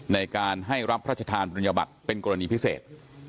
ในการให้รับพระราชทางประดิษฐภัณฑ์เป็นกรณีพิเศษ